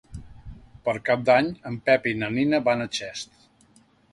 Per Cap d'Any en Pep i na Nina van a Xest.